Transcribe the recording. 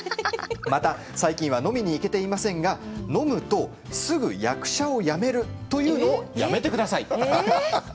また、最近は飲みに行けていませんが飲むとすぐ、役者を辞めると言うのをやめてください。